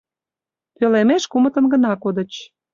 Пӧлемеш кумытын гына кодыч.